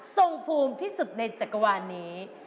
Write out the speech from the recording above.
ทรงภูมิที่สุดในจักรวาลนี้